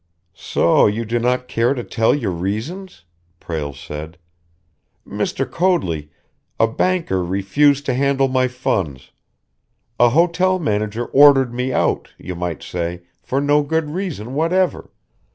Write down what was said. "So you do not care to tell your reasons!" Prale said. "Mr. Coadley, a banker refused to handle my funds. A hotel manager ordered me out, you might say, for no good reason whatever.